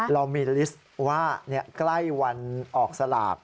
เรามีลิสต์ว่าใกล้วันออกสลาก